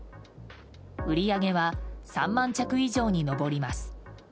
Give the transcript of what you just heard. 売り上げは３万弱以上に上ります。